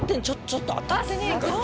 ちょっと当たってねえか？